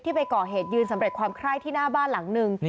ไปก่อเหตุยืนสำเร็จความไคร้ที่หน้าบ้านหลังนึง